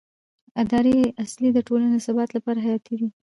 اداري اصلاح د ټولنې د ثبات لپاره حیاتي دی